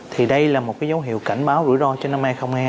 thì đây là một dấu hiệu cảnh báo rủi ro cho năm hai nghìn hai mươi hai